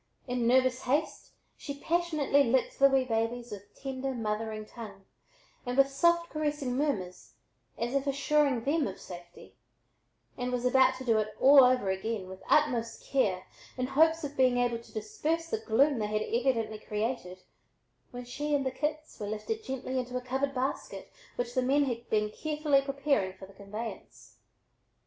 In nervous haste she passionately licked the wee babies with tender, mothering tongue, and with soft caressing murmurs as if assuring them of safety and was about to do it all over again with utmost care in hopes of being able to disperse the gloom they had evidently created when she and the kits were lifted gently into a covered basket which the men had been carefully preparing for the conveyance.